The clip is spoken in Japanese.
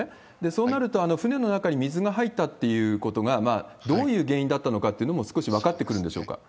そうなると、船の中に水が入ったっていうことが、どういう原因だったのかっていうのも少し分かっ